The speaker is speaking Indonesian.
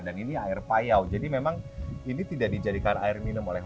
dan ini air payau jadi memang ini tidak dijadikan air minum oleh